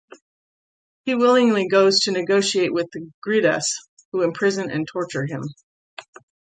He willingly goes to negotiate with the Griddas, who imprison and torture him.